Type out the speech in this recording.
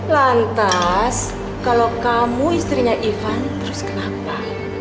lantas kalau kamu istrinya ivan terus kenapa